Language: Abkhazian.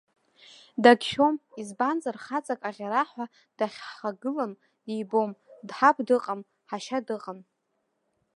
Дагьшәом, избанзар, хаҵак аӷьараҳәа даҳхагылан дибом, ҳаб дыҟам, ҳашьа дыҟам.